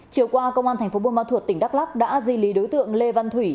chiều qua công an tp bùa ma thuột tỉnh đắk lắk đã di lý đối tượng lê văn thủy